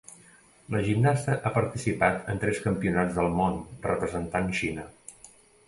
La gimnasta ha participat en tres campionats del Món representant Xina.